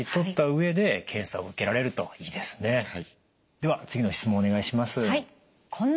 では次の質問お願いします。